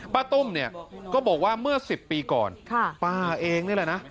ตุ้มเนี่ยก็บอกว่าเมื่อ๑๐ปีก่อนป้าเองนี่แหละนะ